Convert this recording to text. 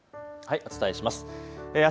お伝えします。